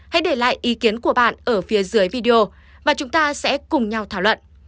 hãy để lại ý kiến của bạn ở phía dưới video và chúng ta sẽ cùng nhau thảo luận